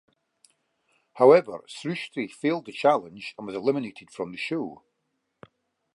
However Srushti failed the challenge and was eliminated from the show.